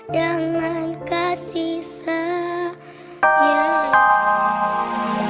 dengan kasih sayang